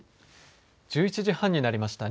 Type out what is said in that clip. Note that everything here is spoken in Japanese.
１１時半になりました。